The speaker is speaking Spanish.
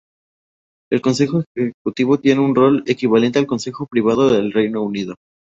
El Consejo Ejecutivo tiene un rol equivalente al Consejo Privado del Reino Unido.